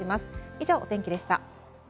以上、お天気でした。